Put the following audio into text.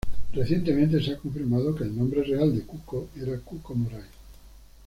Recientemente se ha confirmado que el nombre real de Cuckoo era Cuckoo Moray.